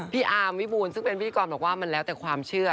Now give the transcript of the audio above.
อาวิบูลซึ่งเป็นพิธีกรบอกว่ามันแล้วแต่ความเชื่อ